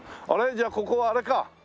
じゃあここはあれか。